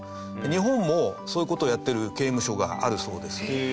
日本も、そういう事をやってる刑務所があるそうです。